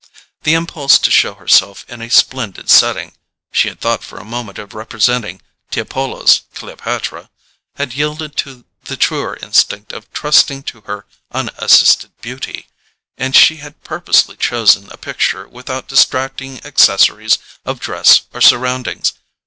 The impulse to show herself in a splendid setting—she had thought for a moment of representing Tiepolo's Cleopatra—had yielded to the truer instinct of trusting to her unassisted beauty, and she had purposely chosen a picture without distracting accessories of dress or surroundings.